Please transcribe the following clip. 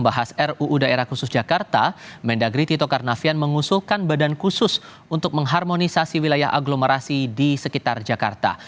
membahas ruu daerah khusus jakarta mendagri tito karnavian mengusulkan badan khusus untuk mengharmonisasi wilayah aglomerasi di sekitar jakarta